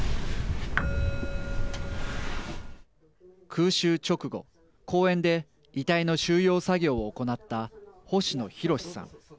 空襲直後公園で遺体の収容作業を行った星野弘さん。